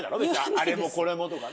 あれもこれもとかな。